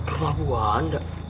rumah bu wanda